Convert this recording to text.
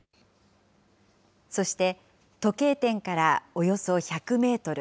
そして、時計店からおよそ１００メートル。